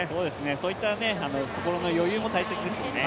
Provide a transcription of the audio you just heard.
そういった心の余裕も大切ですよね。